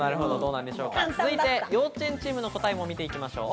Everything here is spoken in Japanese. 続いて、幼稚園チームの答えも見ていきましょう。